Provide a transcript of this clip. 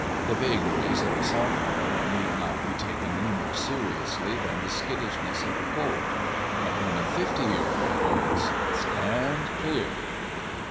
The vagaries of a sophomore need not be taken any more seriously than the skittishness of a colt, but when a fifty year old bolts, stand clear!